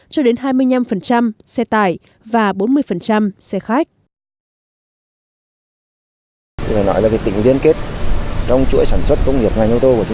cho đến hai mươi năm xe tải và bốn mươi xe khách